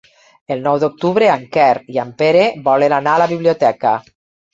El nou d'octubre en Quer i en Pere volen anar a la biblioteca.